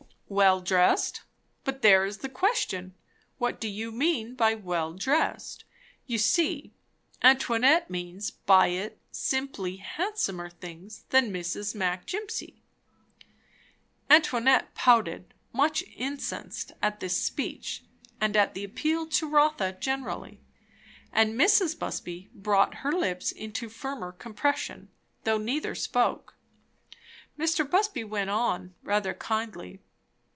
"Well dressed! but there is the question. What do you mean by 'well dressed'? You see, Antoinette means by it simply, handsomer things than Mrs. Mac Jimpsey." Antoinette pouted, much incensed at this speech and at the appeal to Rotha generally; and Mrs. Busby brought her lips into firmer compression; though neither spoke. Mr. Busby went on, rather kindly.